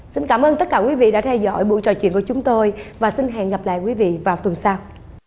xin cảm ơn tất cả quý vị đã theo dõi buổi trò chuyện của chúng tôi và xin hẹn gặp lại quý vị vào tuần sau